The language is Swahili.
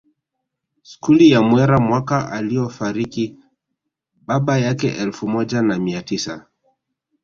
Skuli ya Mwera mwaka aliofariki baba yake elfu moja na mia tisa